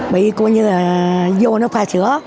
bị cô như là vô nó pha sữa